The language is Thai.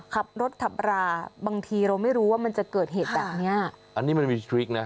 ขับรถขับราบางทีเราไม่รู้ว่ามันจะเกิดเหตุแบบเนี้ยอันนี้มันมีทริคนะ